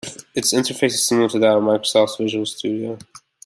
Its interface is similar to that of Microsoft's Visual Studio.